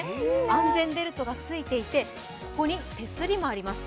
安全ベルトがついていてここに手すりもあります。